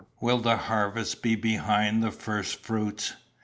Will the harvest be behind the first fruits?